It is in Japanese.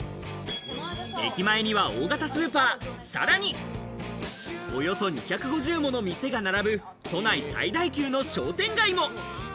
駅前には大型スーパー、さらにおよそ２５０もの店が並ぶ都内最大級の商店街も。